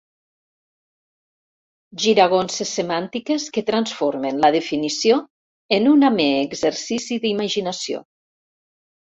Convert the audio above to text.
Giragonses semàntiques que transformen la definició en un amè exercici d'imaginació.